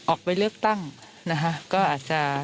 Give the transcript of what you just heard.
ออกไปเลือกตั้งนะฮะ